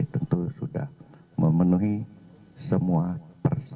tentu sudah memenuhi semua persyarat